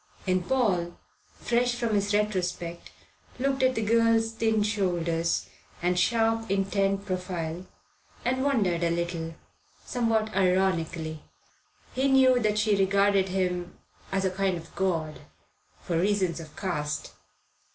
And Paul, fresh from his retrospect, looked at the girl's thin shoulders and sharp, intent profile, and wondered a little, somewhat ironically. He knew that she regarded him as a kind of god, for reasons of caste.